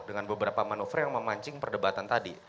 dengan beberapa manuver yang memancing perdebatan tadi